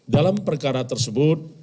dalam perkara tersebut